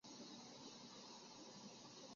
雨山区是中国安徽省马鞍山市下辖的区。